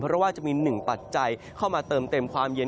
เพราะว่าจะมีหนึ่งปัจจัยเข้ามาเติมเต็มความเย็น